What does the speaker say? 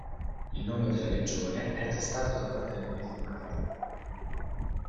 Il nome della legione è attestato da una delle monete di Macriano